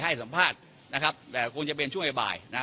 ให้สัมภาษณ์นะครับแต่คงจะเป็นช่วงบ่ายนะฮะ